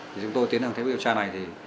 khi chúng tôi tiến hành theo điều tra này